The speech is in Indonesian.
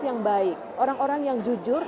yang baik orang orang yang jujur